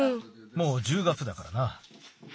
もう１０月だからな。